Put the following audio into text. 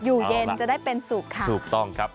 อยู่เย็นจะได้เป็นสุขค่ะถูกต้องครับ